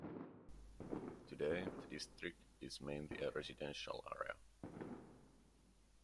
Today, the district is mainly a residential area.